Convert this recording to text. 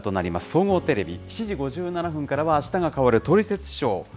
総合テレビ、７時５７分からは、あしたが変わるトリセツショー。